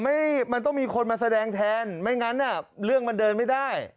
ไม่มันต้องมีคนมาแสดงแทนไม่งั้นอ่ะเรื่องมันเดินไม่ได้